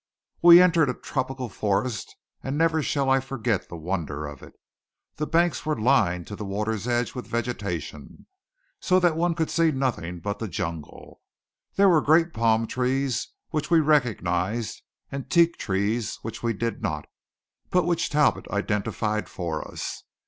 We entered a tropical forest, and never shall I forget the wonder of it. The banks were lined to the water's edge with vegetation, so that one could see nothing but the jungle. There were great palm trees, which we recognized; and teak trees, which we did not, but which Talbot identified for us.